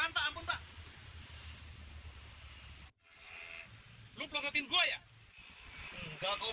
wassalamu'alaikum warahmatullahi wabarakatuh